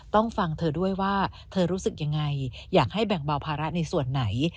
ต้องฟังเธอด้วยว่าเธอรู้สึกยังไงอยากให้แบ่งเบาภาระในส่วนไหน